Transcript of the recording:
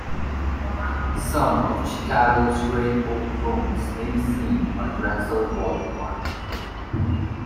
Some of Chicago's great old homes may be seen on Drexel Boulevard.